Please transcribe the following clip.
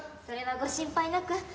それはご心配なく。